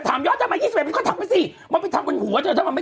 ถามย้อนกระหมั้งยี่สิบเอ็ดทำไว้สิมันไปทำเป็นหัวเธอถ้ามันไม่มา